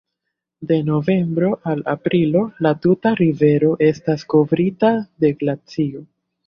De novembro al aprilo la tuta rivero estas kovrita de glacio.